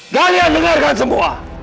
kalian dengarkan semua